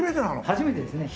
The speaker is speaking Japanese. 初めてですね。